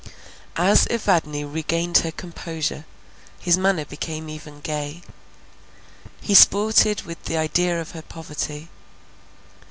As Evadne regained her composure, his manner became even gay; he sported with the idea of her poverty.